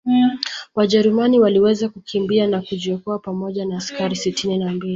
Wajerumani waliweza kukimbia na kujiokoa pamoja na askari sitini na mbili